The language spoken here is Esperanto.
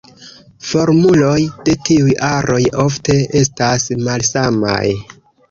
Formuloj de tiuj aroj ofte estas malsamaj.